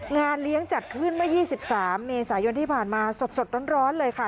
งานเลี้ยงจัดขึ้นเมื่อ๒๓เมษายนที่ผ่านมาสดร้อนเลยค่ะ